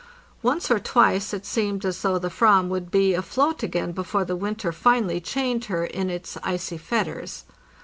Once or twice it seemed as though the "vam would be afloat again before the winter finally chained her in its icy fetters.